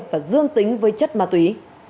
và dương tính với chất ma túy